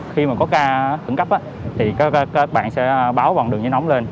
khi mà có ca tấn cấp thì các bạn sẽ báo bằng đường dưới nóng lên